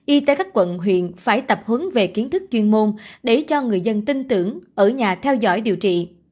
y tế các quận huyện phải tập hướng về kiến thức chuyên môn để cho người dân tin tưởng ở nhà theo dõi điều trị